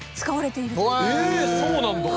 へえそうなんだ。